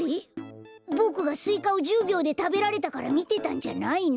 ボクがスイカを１０びょうでたべられたからみてたんじゃないの？